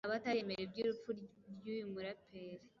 hari abateremera iby'urupfu ry'uyu muraperi